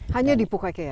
hanya di pokekea